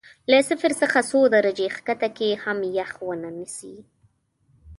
له صفر څخه څو درجې ښکته کې هم یخ ونه نیسي.